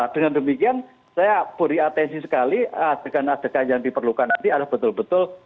dengan demikian saya beri atensi sekali adegan adegan yang diperlukan nanti adalah betul betul